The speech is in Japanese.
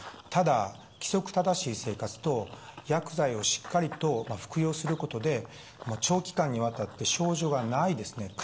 ただ規則正しい生活と薬剤をしっかりと服用することで長期間にわたって症状がないですね